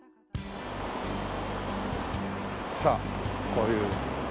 さあこういう。